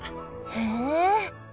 へえ。